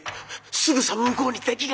すぐさま向こうに敵が」。